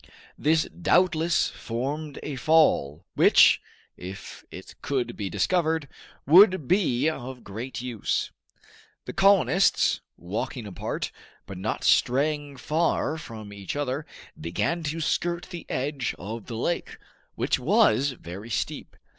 This doubtless formed a fall, which, if it could be discovered, would be of great use. The colonists, walking apart, but not straying far from each other, began to skirt the edge of the lake, which was very steep.